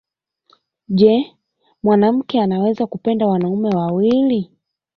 Je! Mwanamke anaweza kupenda wanaume wawili?